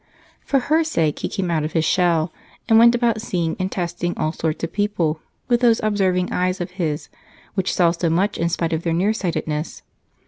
For her sake he came out of his shell and went about seeing and testing all sorts of people with those observing eyes of his, which saw so much in spite of their nearsightedness.